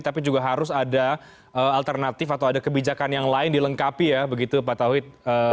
tapi juga harus ada alternatif atau ada kebijakan yang lain dilengkapi ya begitu pak tauhid